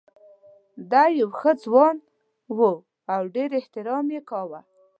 دی یو ښه ځوان و او ډېر احترام یې کاوه.